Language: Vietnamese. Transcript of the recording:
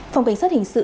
phòng cảnh sát hình sự